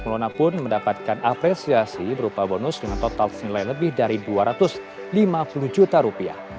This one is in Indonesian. mauna pun mendapatkan apresiasi berupa bonus dengan total senilai lebih dari dua ratus lima puluh juta rupiah